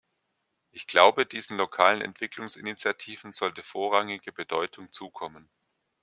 Ich glaube, diesen lokalen Entwicklungsinitiativen sollte vorrangige Bedeutung zukommen.